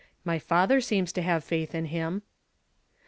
My father seems to have faith in him."